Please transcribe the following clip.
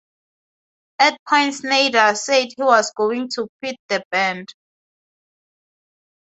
At points Snyder said he was going to quit the band.